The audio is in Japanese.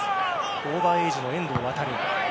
オーバーエージの遠藤航。